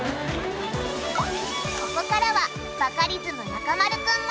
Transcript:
ここからはバカリズム中丸くんも参戦！